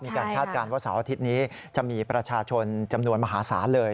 คาดการณ์ว่าเสาร์อาทิตย์นี้จะมีประชาชนจำนวนมหาศาลเลย